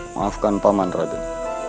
maafkan pak man raden